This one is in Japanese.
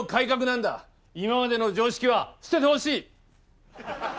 今までの常識は捨ててほしい！